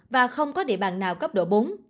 và không có địa bàn nào cấp độ bốn